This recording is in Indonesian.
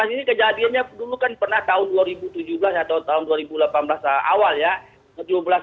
ini kejadiannya dulu kan pernah tahun dua ribu tujuh belas atau tahun dua ribu delapan belas awal ya